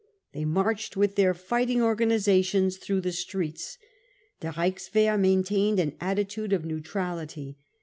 They marched with their fighting organisations through the streets. The Reichswehr maintained an attitude of neutrality.